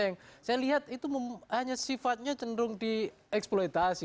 yang saya lihat itu hanya sifatnya cenderung dieksploitasi